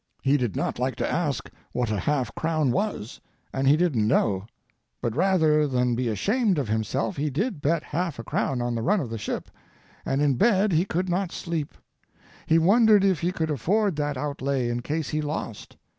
He did not like to ask what a half crown was, and he didn't know; but rather than be ashamed of himself he did bet half a crown on the run of the ship, and in bed he could not sleep. He wondered if he could afford that outlay in case he lost.